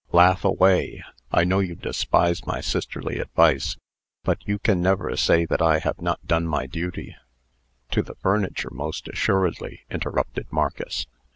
"Laugh away. I know you despise my sisterly advice. But you can never say that I have not done my duty " "To the furniture, most assuredly," interrupted Marcus.